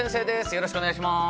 よろしくお願いします。